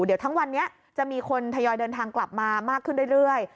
เดี๋ยวทั้งวันนี้จะมีคนทยอยเดินทางกลับมามากขึ้นเรื่อย